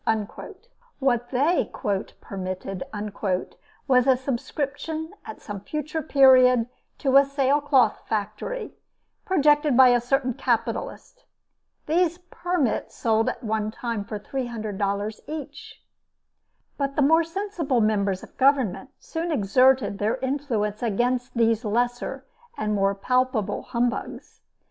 What they "permitted" was a subscription at some future period to a sailcloth factory, projected by a certain capitalist. These "permits" sold at one time for $300 each. But the more sensible members of Government soon exerted their influence against these lesser and more palpable humbugs.